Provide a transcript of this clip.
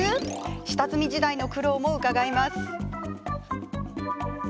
下積み時代の苦労も伺います。